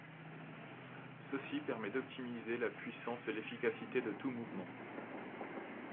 Ceci permet d’optimiser la puissance et l’efficacité de tout mouvement.